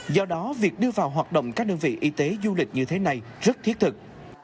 do đó việc đưa vào hoạt động các đơn vị y tế du lịch như thế này rất thiết thực